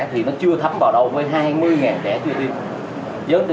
thì nó chưa thấm vào đâu với hai mươi trẻ chưa đi